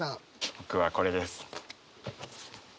僕はこれです。